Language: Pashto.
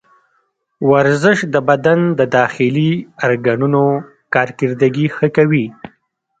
ورزش د بدن د داخلي ارګانونو کارکردګي ښه کوي.